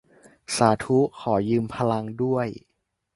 สาธุ ขอยืมพลังด้วย